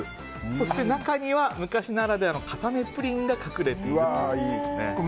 そして、中には昔ならではのかためプリンが隠れているという。